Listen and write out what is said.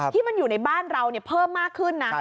ที่มันอยู่ในบ้านเราเพิ่มมากขึ้นนะ